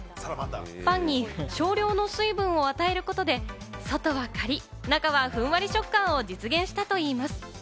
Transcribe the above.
パンに少量の水分を与えることで、外はカリっ、中はふんわり食感を実現したといいます。